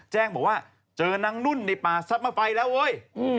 แจ้งบอกว่าเจอนางนุ่นในป่าซับมาไฟแล้วเว้ย